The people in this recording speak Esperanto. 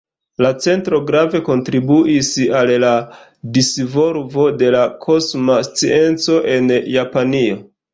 La centro grave kontribuis al la disvolvo de la kosma scienco en Japanio.